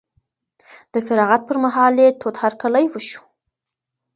د فراغت پر مهال یې تود هرکلی وشو.